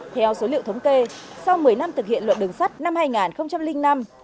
theo số liệu thống kê sau một mươi năm thực hiện luật đường sắt năm hai nghìn năm